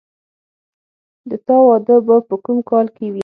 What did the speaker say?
د تا واده به په کوم کال کې وي